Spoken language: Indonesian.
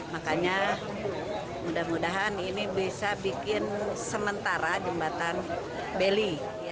makanya mudah mudahan ini bisa bikin sementara jembatan beli